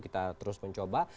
kita sudah terus mencoba